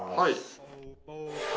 はい。